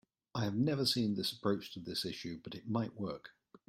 I have never seen this approach to this issue, but it might work.